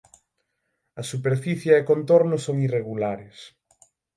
A superficie e contorno son irregulares.